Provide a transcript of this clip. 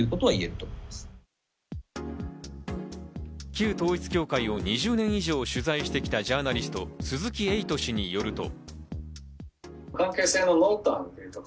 旧統一教会を２０年以上取材してきたジャーナリスト・鈴木エイト氏によると。